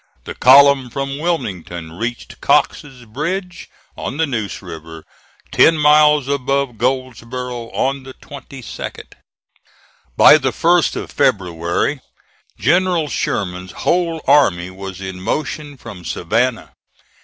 The column from Wilmington reached Cox's Bridge, on the Neuse River, ten miles above Goldsboro', on the 22d. By the 1st of February, General Sherman's whole army was in motion from Savannah.